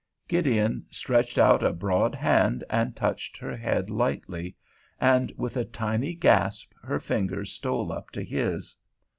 Gideon stretched out a broad hand and touched her head lightly; and with a tiny gasp her fingers stole up to his.